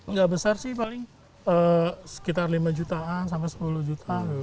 nggak besar sih paling sekitar lima jutaan sampai sepuluh juta